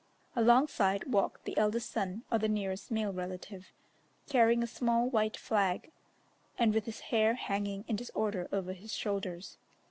Alongside walked the eldest son or the nearest male relative, carrying a small white flag, and with his hair hanging in disorder over his shoulders.